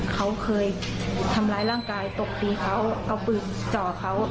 เขาเคยทำร้ายร่างกายตบตีเขาเอาปืนจ่อเขา